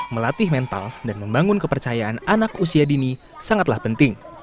melatih mental dan membangun kepercayaan anak usia dini sangatlah penting